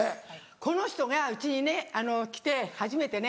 この人がうちに来て初めてね。